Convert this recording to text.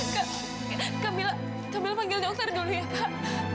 kak mila kamila panggil dokter dulu ya pak